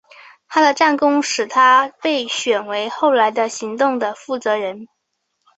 他的战功使他被选为后来的行动的负责人。